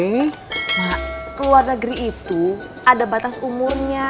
nah ke luar negeri itu ada batas umurnya